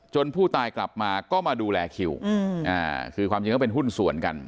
ผู้ตายกลับมาก็มาดูแลคิวคือความจริงก็เป็นหุ้นส่วนกัน